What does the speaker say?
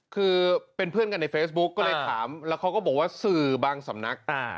คือเป็นเพื่อนกันในเฟซบุ๊กก็เลยถามแล้วเขาก็บอกว่าสื่อบางสำนัก